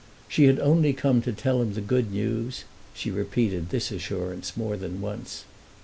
She had only come to tell him the good news—she repeated this assurance more than once.